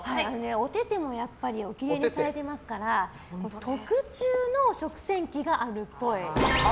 おててもおきれいにされていますから特注の食洗機があるっぽい。